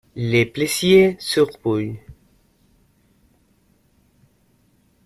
Le Plessier-sur-Bulles